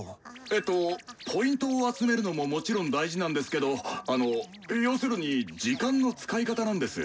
えっとＰを集めるのももちろん大事なんですけどあの要するに時間の使い方なんです。